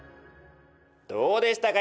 どうでしたか？